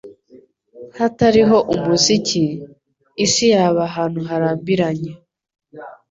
Hatariho umuziki, isi yaba ahantu harambiranye.